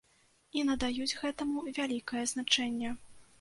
І надаюць гэтаму вялікае значэнне.